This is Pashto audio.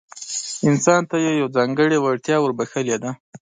انسان ته يې يوه ځانګړې وړتيا وربښلې ده.